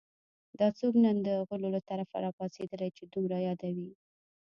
دا څوک نن د غولو له طرفه راپاڅېدلي چې یې دومره یادوي